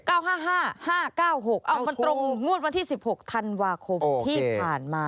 ๙๕๕๕๙๖เอ้ามันตรงงวดวันที่๑๖ธันวาคมที่ผ่านมา